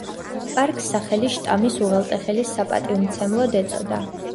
პარკს სახელი შტამის უღელტეხილის საპატივმცემლოდ ეწოდა.